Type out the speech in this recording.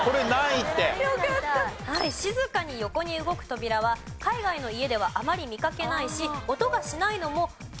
静かに横に動く扉は海外の家ではあまり見かけないし音がしないのも気を配る